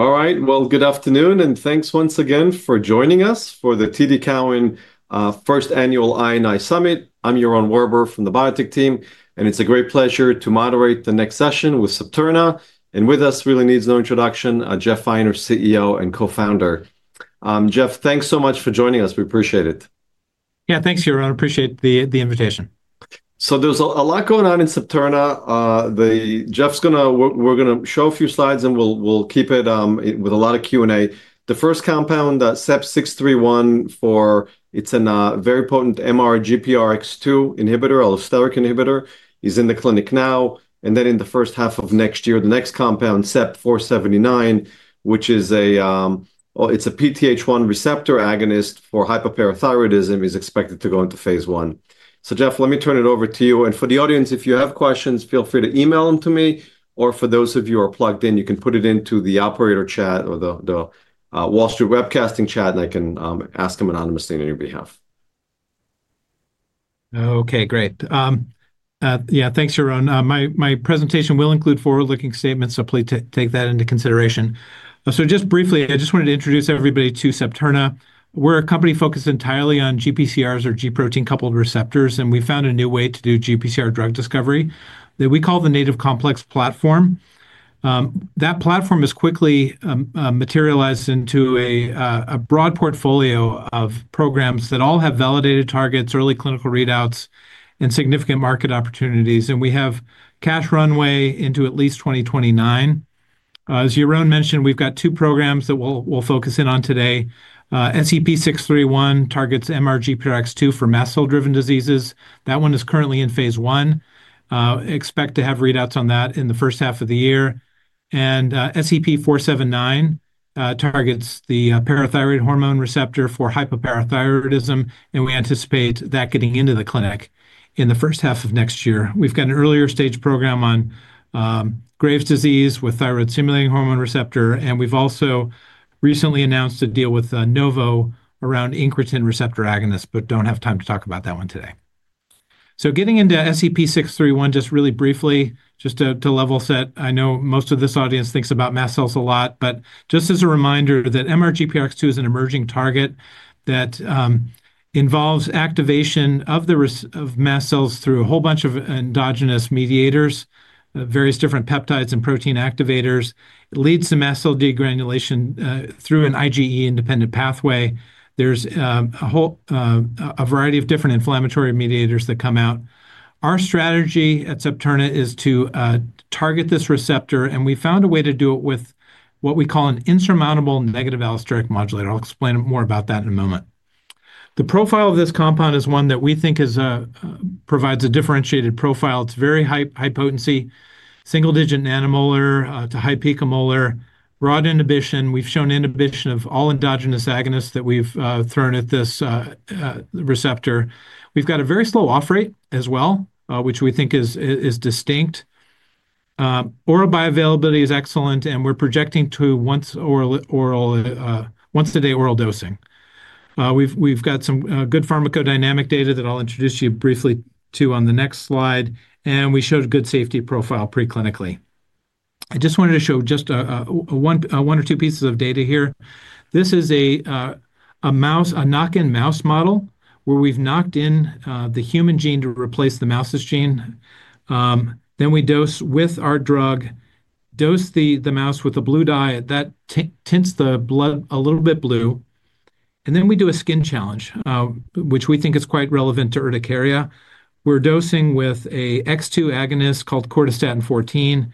All right, good afternoon, and thanks once again for joining us for the TD Cowen first annual I&I Summit. I'm Yaron Werber from the biotech team, and it's a great pleasure to moderate the next session with Septerna. With us, really needs no introduction, Jeff Finer, CEO and co-founder. Jeff, thanks so much for joining us. We appreciate it. Yeah, thanks, Yaron. Appreciate the invitation. There is a lot going on in Septerna. Jeff is going to—we are going to show a few slides, and we will keep it with a lot of Q&A. The first compound, SEP-631, it is a very potent MRGPRX2 inhibitor, allosteric inhibitor. He is in the clinic now. In the first half of next year, the next compound, SEP-479, which is a—it is a PTH1 receptor agonist for hyperparathyroidism, is expected to go into phase I. Jeff, let me turn it over to you. For the audience, if you have questions, feel free to email them to me. For those of you who are plugged in, you can put it into the operator chat or the Wall Street webcasting chat, and I can ask them anonymously on your behalf. Okay, great. Yeah, thanks, Yaron. My presentation will include forward-looking statements, so please take that into consideration. Just briefly, I just wanted to introduce everybody to Septerna. We're a company focused entirely on GPCRs, or G protein-coupled receptors, and we found a new way to do GPCR drug discovery that we call the Native Complex Platform. That platform has quickly materialized into a broad portfolio of programs that all have validated targets, early clinical readouts, and significant market opportunities. We have cash runway into at least 2029. As Yaron mentioned, we've got two programs that we'll focus in on today. SEP-631 targets MRGPRX2 for mast cell-driven diseases. That one is currently in phase I. Expect to have readouts on that in the first half of the year. SEP-479 targets the parathyroid hormone receptor for hyperparathyroidism, and we anticipate that getting into the clinic in the first half of next year. We've got an earlier stage program on Graves' disease with thyroid stimulating hormone receptor, and we've also recently announced a deal with Novo around incretin receptor agonists, but do not have time to talk about that one today. Getting into SEP-631, just really briefly, just to level set, I know most of this audience thinks about mast cells a lot, but just as a reminder that MRGPRX2 is an emerging target that involves activation of the mast cells through a whole bunch of endogenous mediators, various different peptides and protein activators. It leads to mast cell degranulation through an IgE independent pathway. There's a whole variety of different inflammatory mediators that come out. Our strategy at Septerna is to target this receptor, and we found a way to do it with what we call an insurmountable negative allosteric modulator. I'll explain more about that in a moment. The profile of this compound is one that we think provides a differentiated profile. It's very high potency, single digit nanomolar to high picomolar, broad inhibition. We've shown inhibition of all endogenous agonists that we've thrown at this receptor. We've got a very slow off rate as well, which we think is distinct. Oral bioavailability is excellent, and we're projecting to once a day oral dosing. We've got some good pharmacodynamic data that I'll introduce you briefly to on the next slide, and we showed a good safety profile preclinically. I just wanted to show just one or two pieces of data here. This is a knock-in mouse model where we've knocked in the human gene to replace the mouse's gene. Then we dose with our drug, dose the mouse with a blue dye. That tints the blood a little bit blue. We do a skin challenge, which we think is quite relevant to urticaria. We're dosing with an X2 agonist called Cortistatin-14.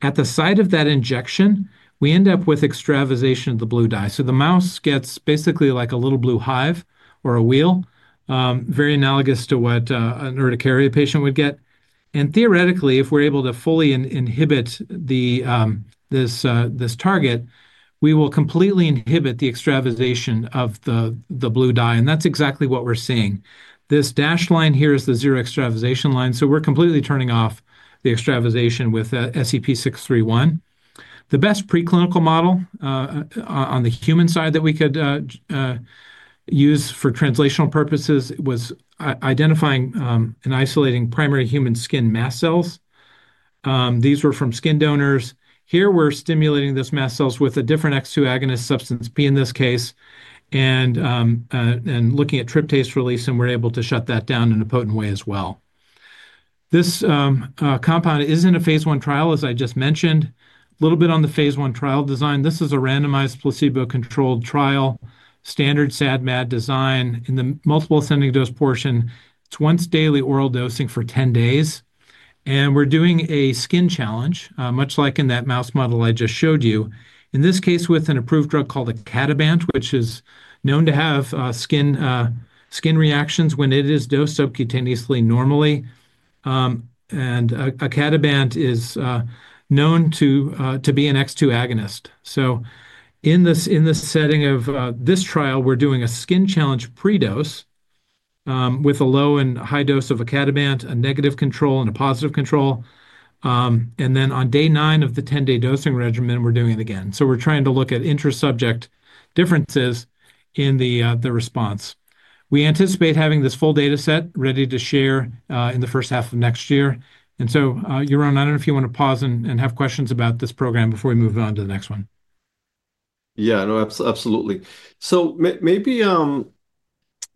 At the site of that injection, we end up with extravasation of the blue dye. The mouse gets basically like a little blue hive or a wheal, very analogous to what an urticaria patient would get. Theoretically, if we're able to fully inhibit this target, we will completely inhibit the extravasation of the blue dye. That's exactly what we're seeing. This dashed line here is the zero extravasation line. We're completely turning off the extravasation with SEP-631. The best preclinical model on the human side that we could use for translational purposes was identifying and isolating primary human skin mast cells. These were from skin donors. Here we're stimulating these mast cells with a different X2 agonist, Substance P in this case, and looking at tryptase release, and we're able to shut that down in a potent way as well. This compound is in a phase I trial, as I just mentioned. A little bit on the phase I trial design. This is a randomized placebo-controlled trial, standard SAD/MAD design in the multiple ascending dose portion. It's once daily oral dosing for 10 days. We are doing a skin challenge, much like in that mouse model I just showed you. In this case, with an approved drug called Icatibant, which is known to have skin reactions when it is dosed subcutaneously normally. Icatibant is known to be an X2 agonist. In this setting of this trial, we're doing a skin challenge predose with a low and high dose of icatibant, a negative control, and a positive control. Then on day nine of the 10-day dosing regimen, we're doing it again. We're trying to look at intersubject differences in the response. We anticipate having this full data set ready to share in the first half of next year. Yaron, I don't know if you want to pause and have questions about this program before we move on to the next one. Yeah, no, absolutely. Maybe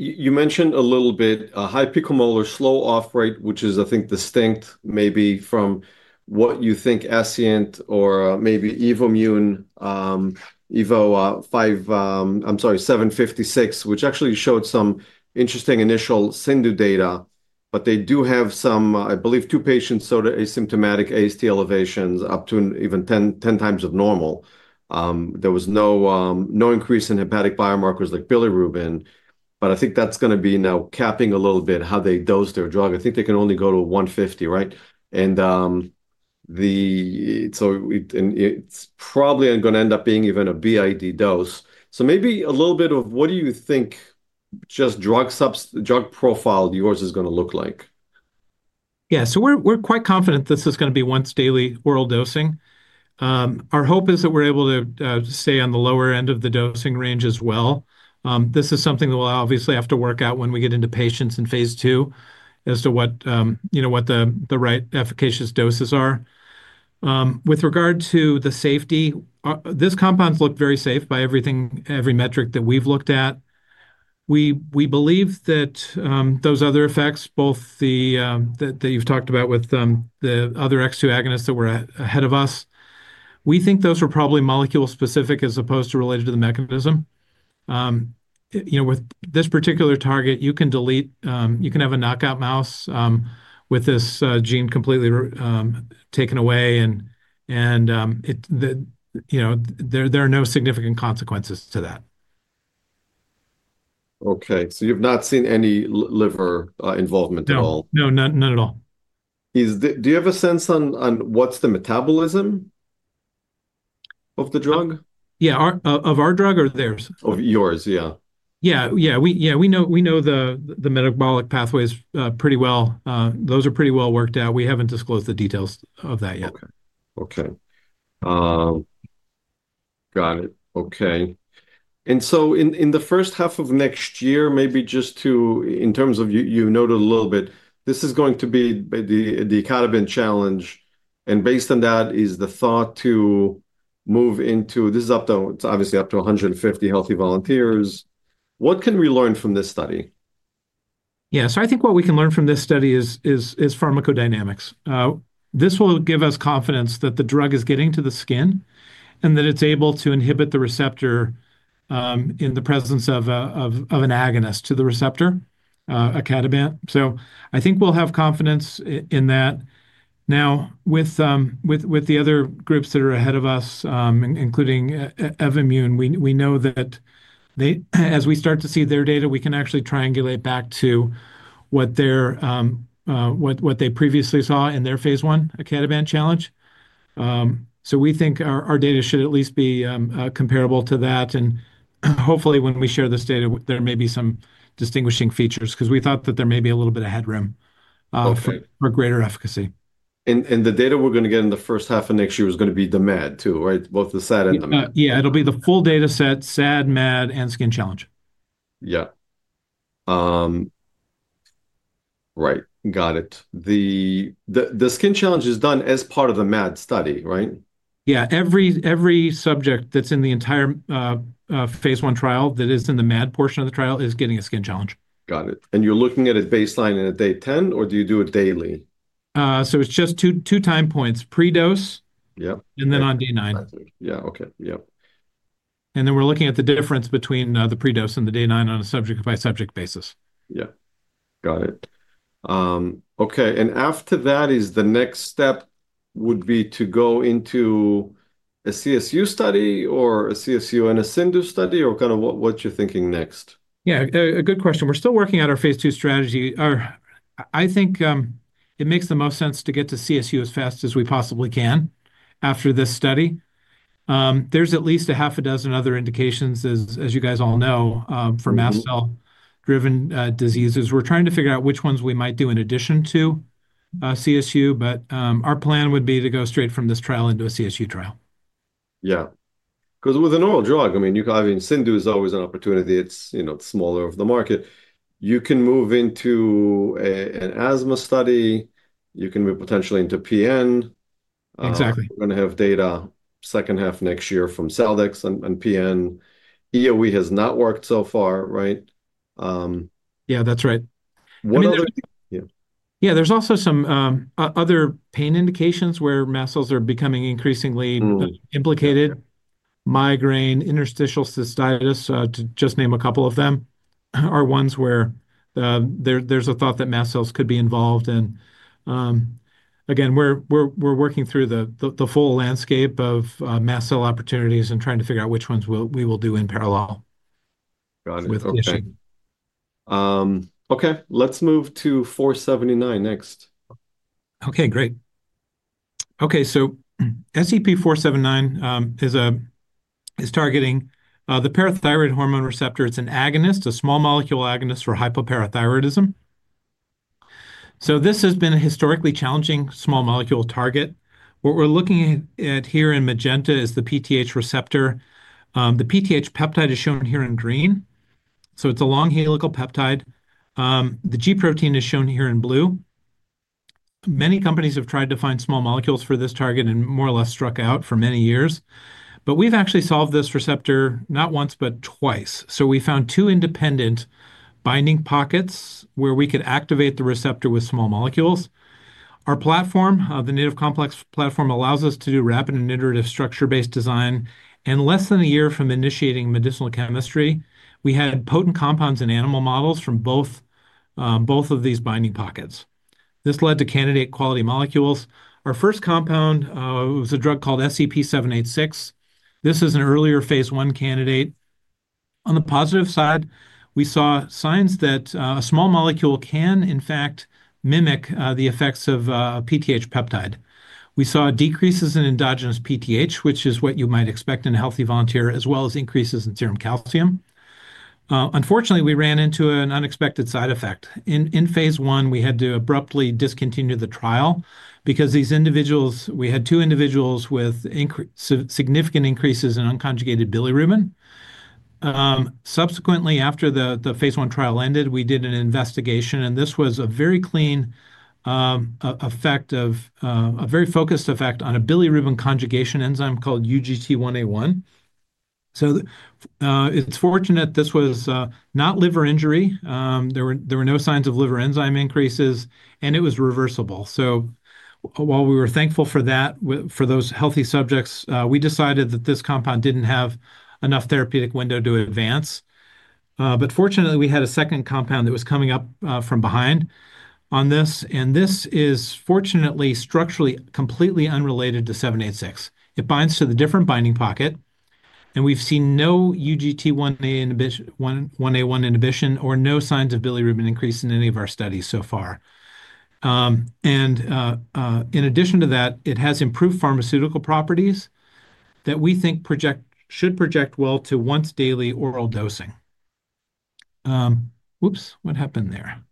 you mentioned a little bit high picomolar, slow off rate, which is, I think, distinct maybe from what you think Celldex or maybe Evommune, EVO-756, which actually showed some interesting initial syndue data. They do have some, I believe, two patients, sort of asymptomatic AST elevations up to even 10x normal. There was no increase in hepatic biomarkers like bilirubin. I think that's going to be now capping a little bit how they dose their drug. I think they can only go to 150, right? It's probably going to end up being even a BID dose. Maybe a little bit of what do you think just drug profile yours is going to look like? Yeah, so we're quite confident this is going to be once daily oral dosing. Our hope is that we're able to stay on the lower end of the dosing range as well. This is something that we'll obviously have to work out when we get into patients in phase II as to what the right efficacious doses are. With regard to the safety, this compound looked very safe by everything, every metric that we've looked at. We believe that those other effects, both that you've talked about with the other X2 agonists that were ahead of us, we think those were probably molecule specific as opposed to related to the mechanism. With this particular target, you can delete, you can have a knockout mouse with this gene completely taken away, and there are no significant consequences to that. Okay, so you've not seen any liver involvement at all? No, no, none at all. Do you have a sense on what's the metabolism of the drug? Yeah, of our drug or theirs? Of yours, yeah. Yeah, we know the metabolic pathways pretty well. Those are pretty well worked out. We haven't disclosed the details of that yet. Okay, okay. Got it. Okay. In the first half of next year, maybe just in terms of, you noted a little bit, this is going to be the icatibant challenge. Based on that, is the thought to move into, this is up to, it's obviously up to 150 healthy volunteers. What can we learn from this study? Yeah, so I think what we can learn from this study is pharmacodynamics. This will give us confidence that the drug is getting to the skin and that it's able to inhibit the receptor in the presence of an agonist to the receptor, icatibant. I think we'll have confidence in that. Now, with the other groups that are ahead of us, including Evommune, we know that as we start to see their data, we can actually triangulate back to what they previously saw in their phase I icatibant challenge. We think our data should at least be comparable to that. Hopefully, when we share this data, there may be some distinguishing features because we thought that there may be a little bit of headroom for greater efficacy. The data we're going to get in the first half of next year is going to be the MAD too, right? Both the SAD and the MAD? Yeah, it'll be the full data set, SAD, MAD, and skin challenge. Yeah. Right, got it. The skin challenge is done as part of the MAD study, right? Yeah, every subject that's in the entire phase I trial that is in the MAD portion of the trial is getting a skin challenge. Got it. You're looking at a baseline at day 10, or do you do it daily? It's just two time points, predose, and then on day nine. Yeah, okay, yeah. We're looking at the difference between the predose and the day nine on a subject-by-subject basis. Yeah, got it. Okay, and after that, the next step would be to go into a CSU study or a CSU and a syndue study, or kind of what you're thinking next? Yeah, a good question. We're still working out our phase II strategy. I think it makes the most sense to get to CSU as fast as we possibly can after this study. There's at least half a dozen other indications, as you guys all know, for mast cell-driven diseases. We're trying to figure out which ones we might do in addition to CSU, but our plan would be to go straight from this trial into a CSU trial. Yeah, because with an oral drug, I mean, CSU is always an opportunity. It's smaller of the market. You can move into an asthma study. You can move potentially into PN. Exactly. We're going to have data second half next year from Celldex and PN. EOE has not worked so far, right? Yeah, that's right. Yeah, there's also some other pain indications where mast cells are becoming increasingly implicated. Migraine, interstitial cystitis, to just name a couple of them, are ones where there's a thought that mast cells could be involved. Again, we're working through the full landscape of mast cell opportunities and trying to figure out which ones we will do in parallel with OPG. Got it. Okay, let's move to 479 next. Okay, great. Okay, so SEP479 is targeting the parathyroid hormone receptor. It's an agonist, a small molecule agonist for hypoparathyroidism. This has been a historically challenging small molecule target. What we're looking at here in magenta is the PTH receptor. The PTH peptide is shown here in green. It's a long helical peptide. The G protein is shown here in blue. Many companies have tried to find small molecules for this target and more or less struck out for many years. We've actually solved this receptor not once, but twice. We found two independent binding pockets where we could activate the receptor with small molecules. Our platform, the Native Complex Platform, allows us to do rapid and iterative structure-based design. In less than a year from initiating medicinal chemistry, we had potent compounds in animal models from both of these binding pockets. This led to candidate quality molecules. Our first compound was a drug called SEP-786. This is an earlier phase I candidate. On the positive side, we saw signs that a small molecule can, in fact, mimic the effects of a PTH peptide. We saw decreases in endogenous PTH, which is what you might expect in a healthy volunteer, as well as increases in serum calcium. Unfortunately, we ran into an unexpected side effect. In phase I, we had to abruptly discontinue the trial because these individuals, we had two individuals with significant increases in unconjugated bilirubin. Subsequently, after the phase I trial ended, we did an investigation, and this was a very clean effect of a very focused effect on a bilirubin conjugation enzyme called UGT1A1. It is fortunate this was not liver injury. There were no signs of liver enzyme increases, and it was reversible. While we were thankful for that, for those healthy subjects, we decided that this compound did not have enough therapeutic window to advance. Fortunately, we had a second compound that was coming up from behind on this. This is fortunately structurally completely unrelated to 786. It binds to a different binding pocket, and we have seen no UGT1A1 inhibition or no signs of bilirubin increase in any of our studies so far. In addition to that, it has improved pharmaceutical properties that we think should project well to once daily oral dosing. Whoops, what happened there?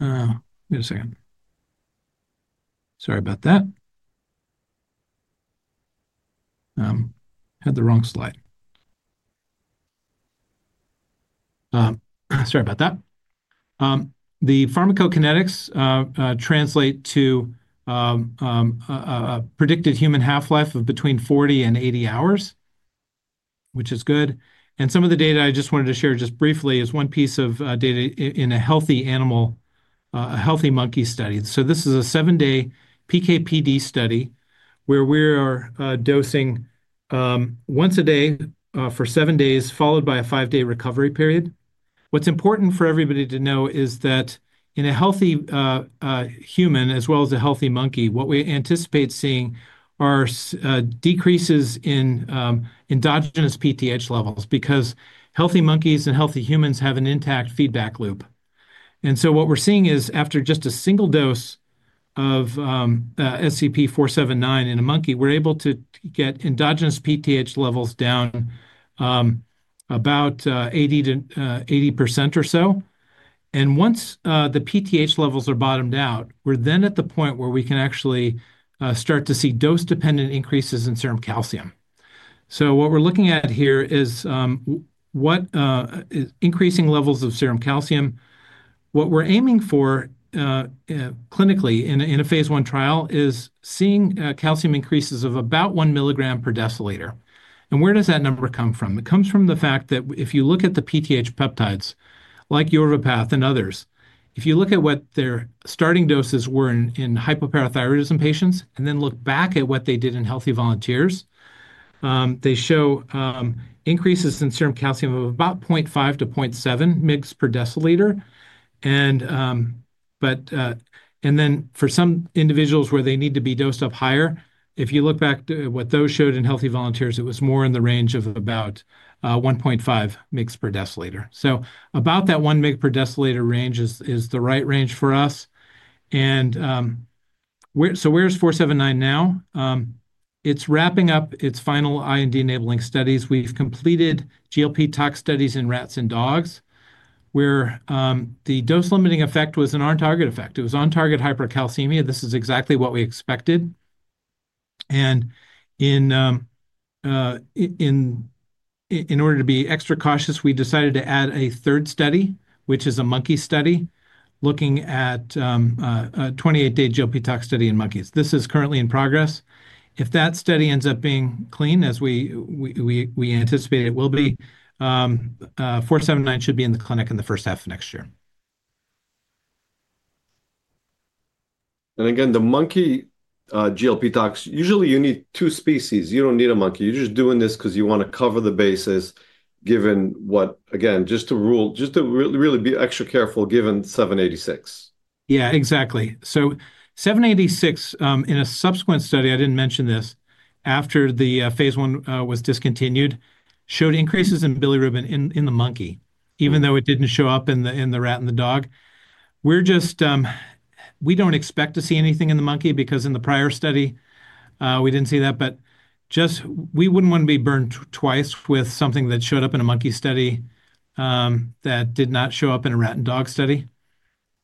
Give me a second. Sorry about that. Had the wrong slide. Sorry about that. The pharmacokinetics translate to a predicted human half-life of between 40-80 hours, which is good. Some of the data I just wanted to share just briefly is one piece of data in a healthy animal, a healthy monkey study. This is a seven-day PKPD study where we are dosing once a day for seven days, followed by a five-day recovery period. What's important for everybody to know is that in a healthy human as well as a healthy monkey, what we anticipate seeing are decreases in endogenous PTH levels because healthy monkeys and healthy humans have an intact feedback loop. What we're seeing is after just a single dose of SEP-479 in a monkey, we're able to get endogenous PTH levels down about 80% or so. Once the PTH levels are bottomed out, we're then at the point where we can actually start to see dose-dependent increases in serum calcium. What we're looking at here is increasing levels of serum calcium. What we're aiming for clinically in a phase I trial is seeing calcium increases of about 1 mg per dL. Where does that number come from? It comes from the fact that if you look at the PTH peptides like Urivapath and others, if you look at what their starting doses were in hypoparathyroidism patients and then look back at what they did in healthy volunteers, they show increases in serum calcium of about 0.5-0.7 mg per dL. For some individuals where they need to be dosed up higher, if you look back to what those showed in healthy volunteers, it was more in the range of about 1.5 mg per dL. About that 1 mg per dL range is the right range for us. Where is 479 now? It's wrapping up its final IND enabling studies. We've completed GLP-tox studies in rats and dogs where the dose-limiting effect was an on-target effect. It was on-target hypercalcemia. This is exactly what we expected. In order to be extra cautious, we decided to add a third study, which is a monkey study looking at a 28-day GLP-tox study in monkeys. This is currently in progress. If that study ends up being clean, as we anticipate it will be, 479 should be in the clinic in the first half of next year. The monkey GLP-tox, usually you need two species. You do not need a monkey. You are just doing this because you want to cover the bases given what, again, just to rule, just to really be extra careful given 786. Yeah, exactly. So 786 in a subsequent study, I did not mention this, after the phase I was discontinued, showed increases in bilirubin in the monkey, even though it did not show up in the rat and the dog. We do not expect to see anything in the monkey because in the prior study, we did not see that. Just we would not want to be burned twice with something that showed up in a monkey study that did not show up in a rat and dog study.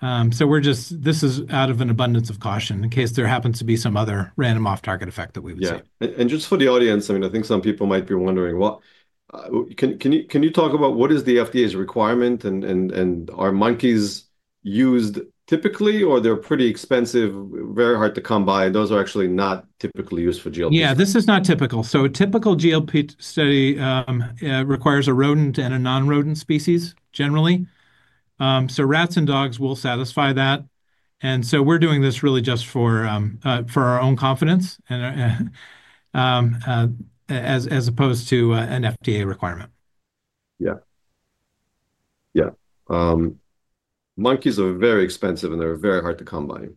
This is out of an abundance of caution in case there happens to be some other random off-target effect that we would see. Yeah. And just for the audience, I mean, I think some people might be wondering, can you talk about what is the FDA's requirement? Are monkeys used typically, or they're pretty expensive, very hard to come by? Those are actually not typically used for GLP-tox studies. Yeah, this is not typical. A typical GLP-tox study requires a rodent and a non-rodent species generally. Rats and dogs will satisfy that. We are doing this really just for our own confidence as opposed to an FDA requirement. Yeah. Yeah. Monkeys are very expensive, and they're very hard to come by.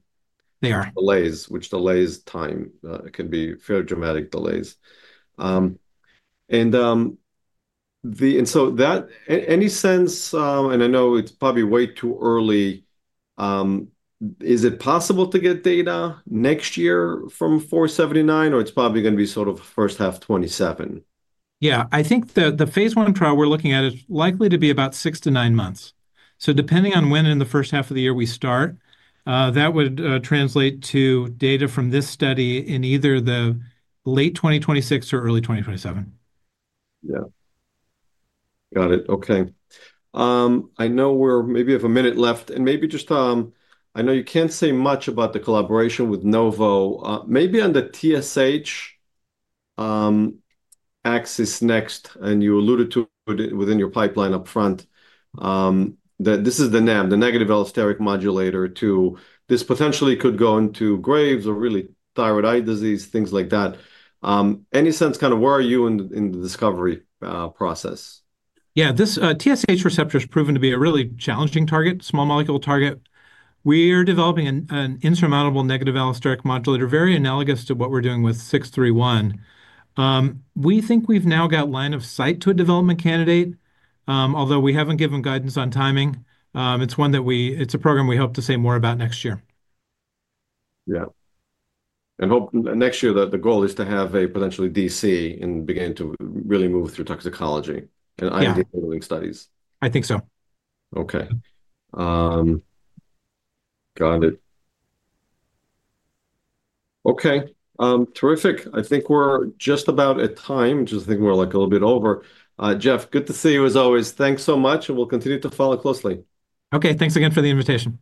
They are. Delays, which delays time. It can be fairly dramatic delays. Any sense, and I know it's probably way too early, is it possible to get data next year from 479, or it's probably going to be sort of first half 2027? Yeah, I think the phase I trial we're looking at is likely to be about six to nine months. Depending on when in the first half of the year we start, that would translate to data from this study in either the late 2026 or early 2027. Yeah. Got it. Okay. I know we maybe have a minute left. Maybe just I know you can't say much about the collaboration with Novo. Maybe on the TSH axis next, and you alluded to it within your pipeline upfront, that this is the NAM, the negative allosteric modulator, too. This potentially could go into Graves or really thyroid eye disease, things like that. Any sense, kind of where are you in the discovery process? Yeah, this TSH receptor has proven to be a really challenging target, small molecule target. We are developing an insurmountable negative allosteric modulator, very analogous to what we're doing with 631. We think we've now got line of sight to a development candidate, although we haven't given guidance on timing. It's one that we, it's a program we hope to say more about next year. Yeah. I hope next year that the goal is to have a potentially DC and begin to really move through toxicology and IND enabling studies. I think so. Okay. Got it. Okay. Terrific. I think we're just about at time. Just think we're like a little bit over. Jeff, good to see you as always. Thanks so much, and we'll continue to follow closely. Okay. Thanks again for the invitation.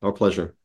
Our pleasure. Okay.